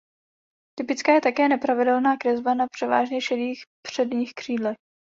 Typická je také nepravidelná kresba na převážně šedých předních křídlech.